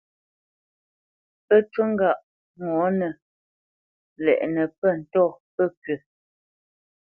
Pə́ ncú ŋgâʼ ŋɔ̌nə ndɛʼnə́ pə̂ ntɔ̂ pəpʉ̂.